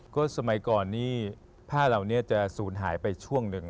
ก็สมัยก่อนนี่ผ้าเราจะสูญหายไปช่วงหนึ่ง